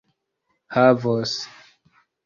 havos